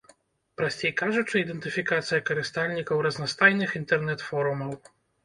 Прасцей кажучы, ідэнтыфікацыя карыстальнікаў разнастайных інтэрнэт-форумаў.